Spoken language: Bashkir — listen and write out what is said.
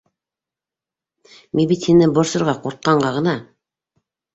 - Мин бит һине борсорға ҡурҡҡанға ғына!